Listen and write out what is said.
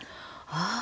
ああ。